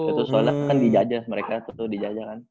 itu saudara kan dijajah mereka tuh dijajah kan